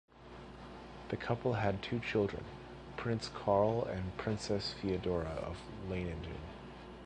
The couple had two children, Prince Carl and Princess Feodora of Leiningen.